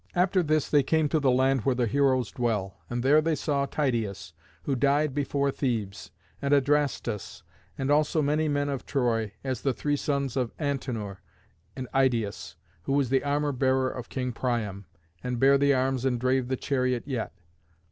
After this they came to the land where the heroes dwell. And there they saw Tydeus, who died before Thebes; and Adrastus, and also many men of Troy, as the three sons of Antenor, and Idæus, who was the armour bearer of King Priam, and bare the arms and drave the chariot yet.